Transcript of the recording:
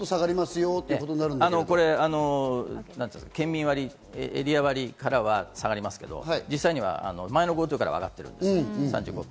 県民割、エリア割からは下がりますけど、実際には前のＧｏＴｏからは上がっているんです。